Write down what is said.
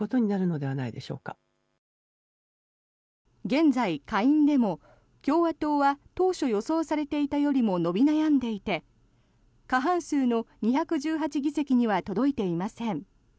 現在、下院でも共和党は当初予想されていたよりも伸び悩んでいて過半数の２１８議席には届いていません。